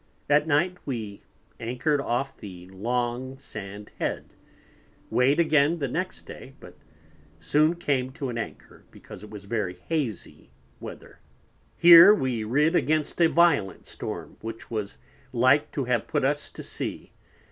At Night we anchored off the Long Sand Head. Weighed again the next Day, but soon came to an Anchor, because it was very hazy Weather. Here we rid against a violent Storm, which was like to have put us to Sea.